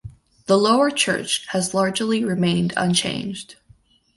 The lower church has largely remained unchanged.